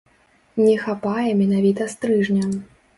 Не хапае менавіта стрыжня.